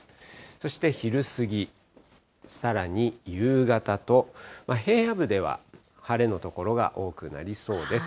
そして昼過ぎ、さらに夕方と、平野部では晴れの所が多くなりそうです。